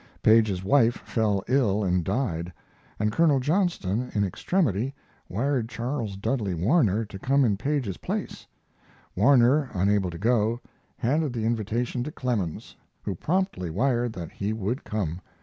Page's wife fell ill and died, and Colonel Johnston, in extremity, wired Charles Dudley Warner to come in Page's place. Warner, unable to go, handed the invitation to Clemens, who promptly wired that he would come.